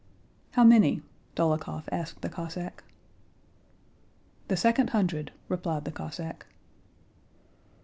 "How many?" Dólokhov asked the Cossack. "The second hundred," replied the Cossack.